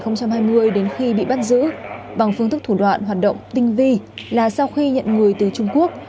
từ tháng một mươi một năm hai nghìn hai mươi đến khi bị bắt giữ bằng phương thức thủ đoạn hoạt động tinh vi là sau khi nhận người từ trung quốc